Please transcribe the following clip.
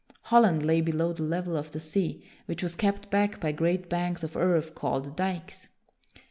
Holland lay below the level of the sea, which was kept back by great banks of earth called dikes.